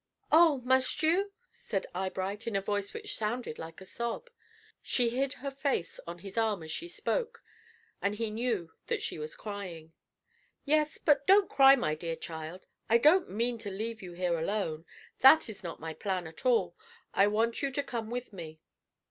"Oh, must you?" said Eyebright, in a voice which sounded like a sob. She hid her face on his arm as she spoke, and he knew that she was crying. "Yes; but don't cry, my dear child. I don't mean to leave you here alone. That is not my plan at all. I want you to come with me.